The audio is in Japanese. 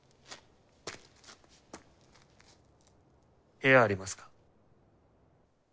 部屋ありますか。